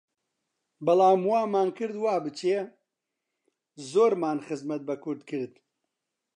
بەڵام وامان کرد، وا بچێ، زۆرمان خزمەت بە کورد کرد